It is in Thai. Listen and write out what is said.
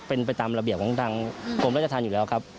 เป็นไปตามระเบียบของทางกรมราชธรรมอยู่แล้วครับ